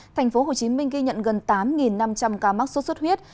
tp hcm ghi nhận gần tám năm trăm linh ca mắc sốt xuất huyết